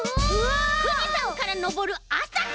ふじさんからのぼるあさひ！